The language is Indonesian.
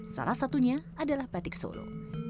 salah satunya adalah batik solo